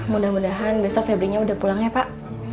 mudah mudahan besok febrinya udah pulang ya pak